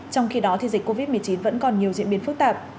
trong khi đó dịch covid một mươi chín vẫn còn nhiều diễn biến phức tạp